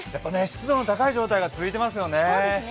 湿度が高い状態が続いてますよね。